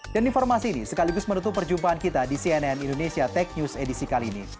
dan informasi ini sekaligus menutup perjumpaan kita di cnn indonesia tech news edisi kali ini